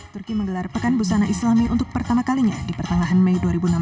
turki menggelar pekan busana islami untuk pertama kalinya di pertengahan mei dua ribu enam belas